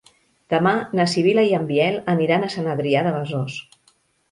Demà na Sibil·la i en Biel aniran a Sant Adrià de Besòs.